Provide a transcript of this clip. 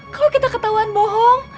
kalau kita ketauan bohong